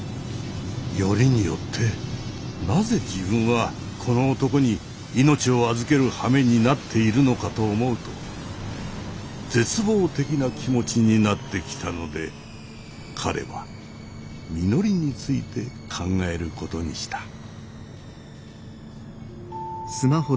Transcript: よりによってなぜ自分はこの男に命を預けるはめになっているのかと思うと絶望的な気持ちになってきたので彼はみのりについて考えることにした。